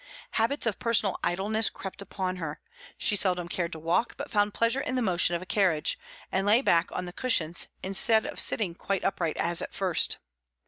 Habits of personal idleness crept upon her; she seldom cared to walk, but found pleasure in the motion of a carriage, and lay back on the cushions, instead of sitting quite upright as at first.